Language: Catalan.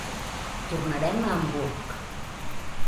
Tornaren a Hamburg.